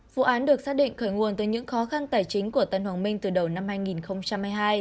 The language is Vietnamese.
vụ án được xác định khởi nguồn từ những khó khăn tài chính của tân hoàng minh từ đầu năm hai nghìn hai mươi hai